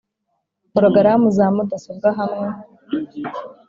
Porogaramu za mudasobwa hamwe